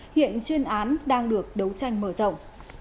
hiện chuyên án đang được đấu tranh mở rộng